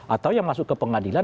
atau yang masuk ke pengadilan